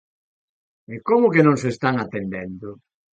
¿E como que non se están atendendo?